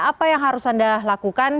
apa yang harus anda lakukan